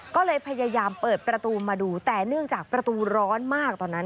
ก็เลยพยายามเปิดประตูมาดูแต่เนื่องจากประตูร้อนมากตอนนั้น